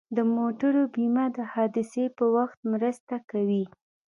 د موټرو بیمه د حادثې په وخت مرسته کوي.